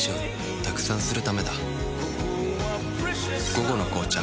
「午後の紅茶」